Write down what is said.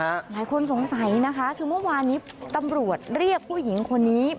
หลายคนสงสัยนะคะคือเมื่อวานนี้ตำรวจเรียกผู้หญิงคนนี้